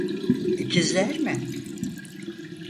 İkizler mi?